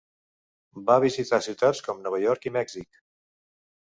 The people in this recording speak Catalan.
Va visitar ciutats com Nova York i Mèxic.